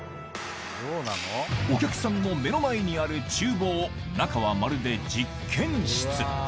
お客さんの目の前にあるちゅう房、中はまるで実験室。